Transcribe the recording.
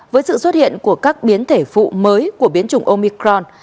với sự xuất hiện của các biến thể phụ mới của biến chủng omicron